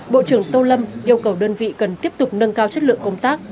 bộ trưởng tô lâm yêu cầu đơn vị cần tiếp tục nâng cao chất lượng công tác